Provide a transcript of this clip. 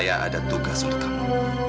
saya ada tugas untuk kamu